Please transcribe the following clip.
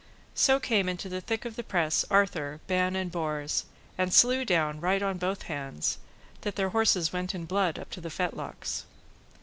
So came into the thick of the press, Arthur, Ban, and Bors, and slew down right on both hands, that their horses went in blood up to the fetlocks.